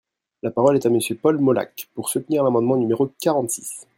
La parole est à Monsieur Paul Molac, pour soutenir l’amendement numéro quarante-six.